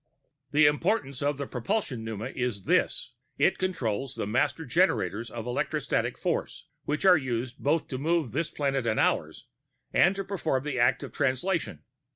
"The importance of the propulsion pneuma is this: It controls the master generators of electrostatic force, which are used both to move this planet and ours, and to perform the act of Translation.